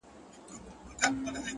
لوړ همت د خنډونو تر شا ګوري.